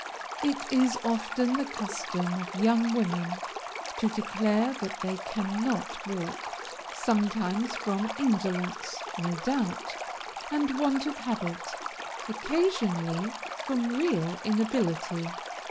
"It is often the custom of young women to declare that they cannot walk, sometimes from indolence, no doubt, and want of habit, occasionally from real inability.